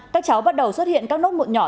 các cháu bắt đầu xuất hiện các nốt muộn nhỏ